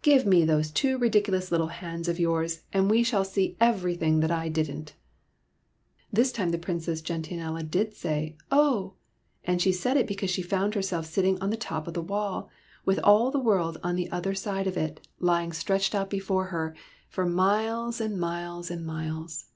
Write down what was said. Give me those two ridiculous little hands of yours, and you shall see everything that I did n't." This time the Princess Gentianella did say " Oh !" and she said it because she found her self sitting on the top of her wall, with all the world on the other side of it lying stretched SOMEBODY ELSE'S PRINCE 77 out before her, for miles and miles and miles.